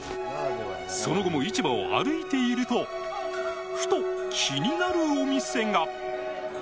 その後も市場を歩いているとふと気になるお店が。